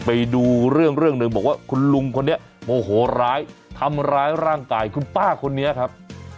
ไปดูเรื่องหนึ่งบอกว่าคุณลุงคนนี้โมโหร้ายทำร้ายร่างกายคุณป้าคนนี้ครับ